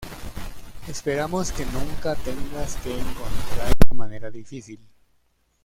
Esperamos que tu nunca tengas que encontrar la manera difícil".